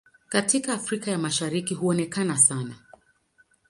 Katika Afrika ya Mashariki huonekana sana.